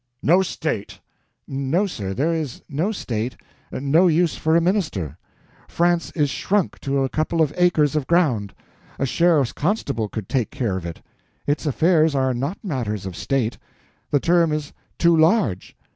"No state!" "No, sir, there is no state, and no use for a minister. France is shrunk to a couple of acres of ground; a sheriff's constable could take care of it; its affairs are not matters of state. The term is too large."